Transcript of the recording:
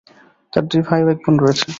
তার দুই ভাই ও এক বোন রয়েছে।